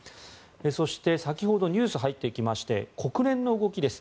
そして、先ほどニュースが入ってきまして国連の動きです。